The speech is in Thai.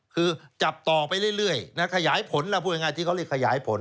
คือจับต่อไปเรื่อยนะขยายผลแล้วพูดง่ายที่เขาเรียกขยายผล